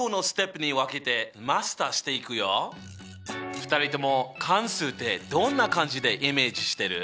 ２人とも関数ってどんな感じでイメージしてる？